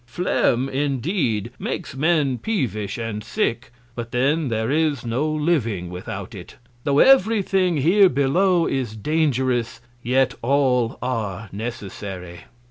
Phlegm, indeed, makes Men peevish and sick; but then there is no living without it. Tho' every Thing here below is dangerous, yet All are necessary.